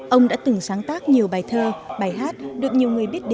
ông đã từng sáng tác nhiều bài thơ bài hát được nhiều người biết đến